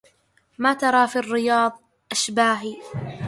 ما ترى في الرياض أشباهي